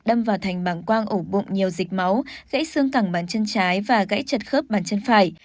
đâm vào thành bảng quang ổ bụng nhiều dịch máu gãy xương cẳng bán chân trái và gãy chật khớp bàn chân phải